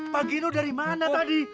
pak gino dari mana tadi